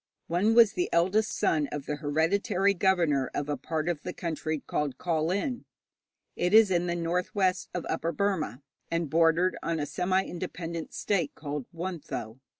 One was the eldest son of the hereditary governor of a part of the country called Kawlin. It is in the north west of Upper Burma, and bordered on a semi independent state called Wuntho.